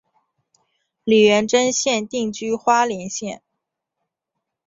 李元贞现定居花莲县。